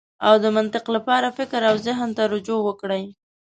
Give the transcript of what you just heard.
او د منطق لپاره فکر او زهن ته رجوع وکړئ.